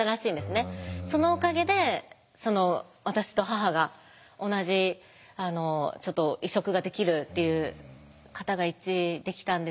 そのおかげで私と母が同じちょっと移植ができるっていう型が一致できたんですけど。